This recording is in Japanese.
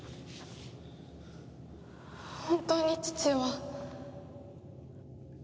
本当に父は。